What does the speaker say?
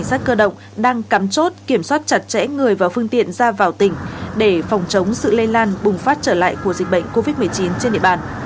các trường hợp chặt chẽ người và phương tiện ra vào tỉnh để phòng chống sự lây lan bùng phát trở lại của dịch bệnh covid một mươi chín trên địa bàn